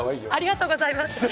ありがとうございます。